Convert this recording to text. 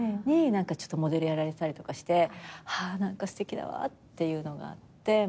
にちょっとモデルやられてたりとかしてはぁすてきだわっていうのがあって。